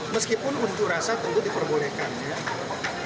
meskipun unjuk rasa tentu diperbolehkan ya